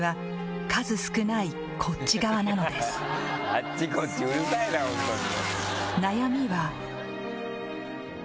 あっちこっちうるさいな本当に。